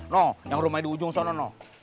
nuh yang rumahnya di ujung sana nuh